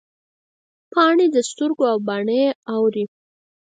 پاڼې د سترګو او باڼه یې اوري